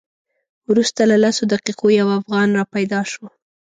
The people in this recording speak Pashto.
وروسته له لسو دقیقو یو افغان را پیدا شو.